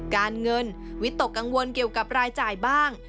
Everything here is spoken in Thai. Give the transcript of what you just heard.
การเงินวิตกกังวลเกี่ยวกับรายจ่ายบ้าง